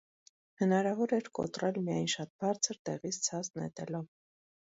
Հնարավոր էր կոտրել միայն շատ բարձր տեղից ցած նետելով: